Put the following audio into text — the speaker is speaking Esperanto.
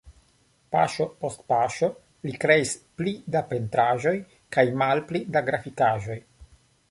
Paŝo post paŝo li kreis pli da pentraĵoj kaj malpli da grafikaĵoj.